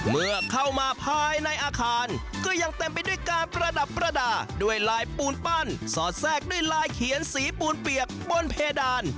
เมื่อเข้ามาภายในอาคารก็ยังเต็มไปด้วยการประดับประดาษด้วยลายปูนปั้นสอดแทรกด้วยลายเขียนสีปูนเปียกบนเพดาน